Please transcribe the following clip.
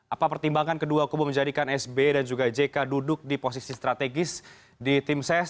apa pertimbangan kedua kubu menjadikan sb dan juga jk duduk di posisi strategis di tim ses